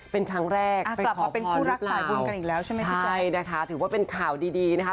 เป็นครั้งแรกเป็นขอพรรณรึเปล่าใช่นะคะถือว่าเป็นข่าวดีนะคะ